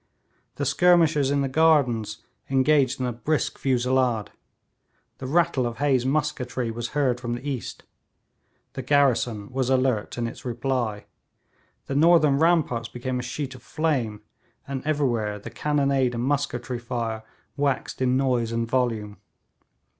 The skirmishers in the gardens engaged in a brisk fusillade. The rattle of Hay's musketry was heard from the east. The garrison was alert in its reply. The northern ramparts became a sheet of flame, and everywhere the cannonade and musketry fire waxed in noise and volume.